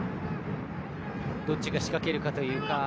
どっちが仕掛けるかというか。